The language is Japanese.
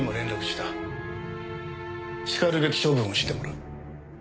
しかるべき処分をしてもらう。